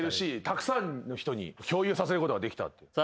たくさんの人に共有させることができた。